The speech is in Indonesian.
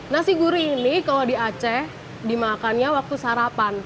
nasi gurih ini kalau di aceh dimakannya waktu sarapan